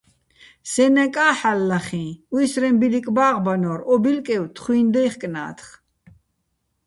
სეჼ ნეკა́ ჰ̦ალო̆ ლახიჼ, უჲსრეჼ ბილიკ ბა́ღბანორ, ო ბილკევ თხუჲნი̆ დაჲხკნა́თხ.